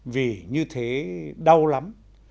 vì như thế đau lắm